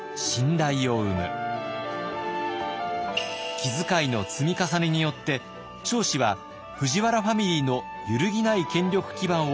気遣いの積み重ねによって彰子は藤原ファミリーの揺るぎない権力基盤を作っていったのです。